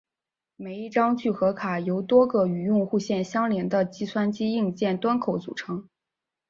每一张聚合卡由多个与用户线相连的计算机硬件端口组成。